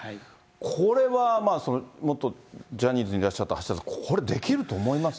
これは元ジャニーズにいらっしゃった橋田さん、これ、できると思います？